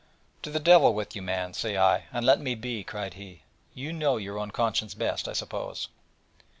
'To the devil with you, man, say I, and let me be!' cried he: 'you know your own conscience best, I suppose.'